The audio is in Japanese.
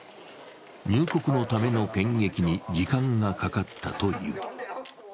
入国のための検疫に時間がかかったという。